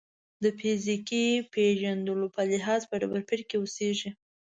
د فیزیکي پېژندلو په لحاظ ډبرپېر کې اوسېږي.